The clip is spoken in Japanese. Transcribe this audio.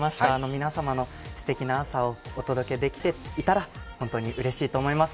皆さんにすてきな朝をお届けできていたとしたら本当にうれしいと思います。